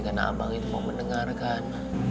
karena abang itu mau mendengarkan